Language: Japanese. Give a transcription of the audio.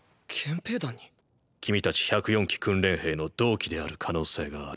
君たち１０４期訓練兵の同期である可能性がある。